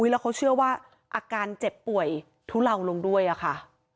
แล้วเขาเชื่อว่าอาการเจ็บป่วยทุเลาลงด้วยค่ะ